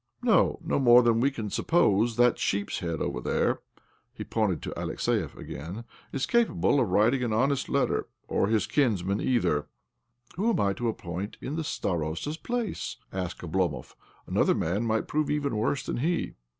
No, no more than we can suppose that that sheep's head over there "—he pointed to Alexiev again—" is capable of writing an honest letter, or his kinsman either." 5 6 OBLOMOV " Whom am I to appoint in the starosta's place ?" asked Oblomov. " Another man might prove even worse than he."